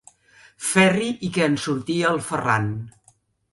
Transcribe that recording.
Ferri i que en sortia el Ferran.